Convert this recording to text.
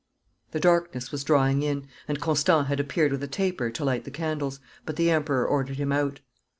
The darkness was drawing in, and Constant had appeared with a taper to light the candles, but the Emperor ordered him out.